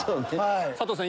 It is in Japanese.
佐藤さん